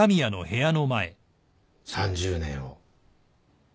３０年を